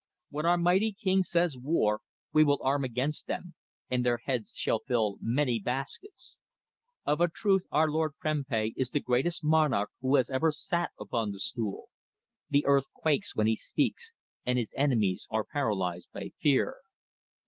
When our mighty King says war, we will arm against them, and their heads shall fill many baskets. Of a truth our lord Prempeh is the greatest monarch who has ever sat upon the stool. The earth quakes when he speaks, and his enemies are paralysed by fear.